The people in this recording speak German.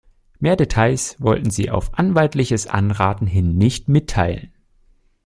Mehr Details wollten sie auf anwaltliches Anraten hin nicht mitteilen.